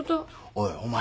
おいお前。